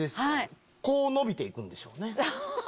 こう伸びて行くんでしょうね。